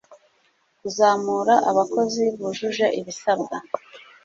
kuzamura abakozi bujuje ibisabwa